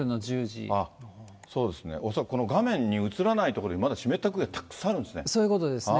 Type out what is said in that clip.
そうですね、恐らくこの画面に映らないところで、まだ湿った空気がたくさんあそういうことですね。